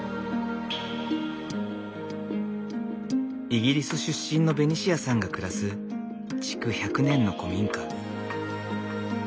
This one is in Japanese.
イギリス出身のベニシアさんが暮らす築１００年の古民家。